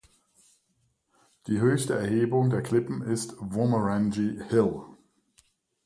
Die höchste Erhebung der Klippen ist "Womerangee Hill".